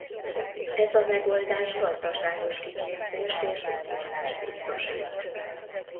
Ez a megoldás gazdaságos kiképzést és gyakorlást biztosít.